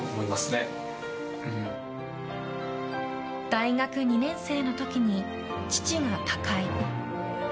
大学２年生の時に、父が他界。